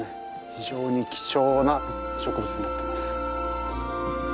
非常に貴重な植物になってます。